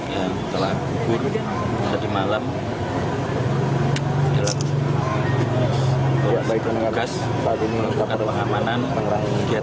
yang telah gugur hari malam dalam tugas melakukan pengamanan kegiatan masyarakat